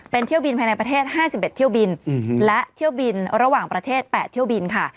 เป็นเที่ยวบินภายในประเทศ๕๑เที่ยวบินและเที่ยวบินระหว่างประเทศ๘เที่ยวบินค่ะ